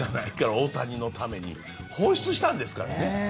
大谷のために放出したんですからね。